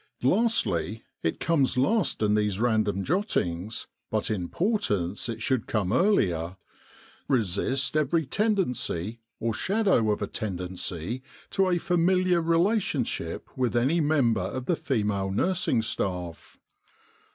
"Lastly it comes last in these random jottings, but in importance it should come earlier resist every tendency, or shadow of a tendency, to a familiar re lationship with any member of the female nursing staff.